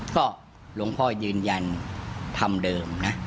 ก็หลวงพ่อยืนยันธรรมเดิมนะ